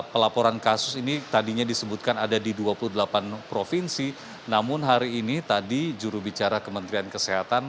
pelaporan kasus ini tadinya disebutkan ada di dua puluh delapan provinsi namun hari ini tadi jurubicara kementerian kesehatan